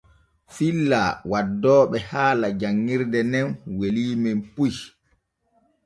Filla wadduɓe haala janŋirde nen weliimen puy.